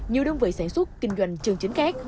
nhiều đơn vị sản xuất kinh doanh chương trình khác